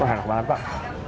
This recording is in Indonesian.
wah enak banget pak